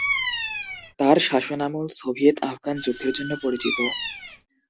তার শাসনামল সোভিয়েত-আফগান যুদ্ধের জন্য পরিচিত।